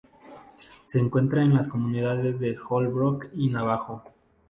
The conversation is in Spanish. Se encuentra en las comunidades de Holbrook y Navajo.